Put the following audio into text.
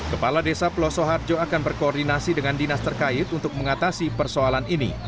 kepala desa peloso harjo akan berkoordinasi dengan dinas terkait untuk mengatasi persoalan ini